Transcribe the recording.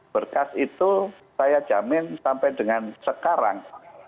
berkas itu saya jamin sampai dengan sekarang